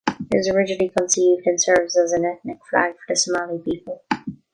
It was originally conceived and serves as an ethnic flag for the Somali people.